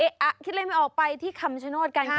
เอ๊ะอ่ะคิดเลยไม่ออกไปที่คำชโนธกัน